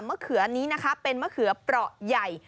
เขืออันนี้นะคะเป็นมะเขือเปราะใหญ่